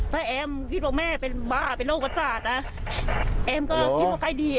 ถ้าแอ้มคิดว่าแม่เป็นบ้าเป็นโรคศาสตร์อ่ะแอ้มก็คิดว่าไปดี